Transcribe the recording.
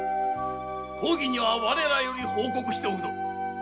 公儀には我らより報告しておくぞ。